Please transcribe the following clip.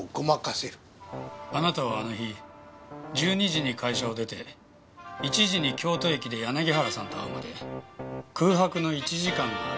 あなたはあの日１２時に会社を出て１時に京都駅で柳原さんと会うまで空白の１時間がありますよね。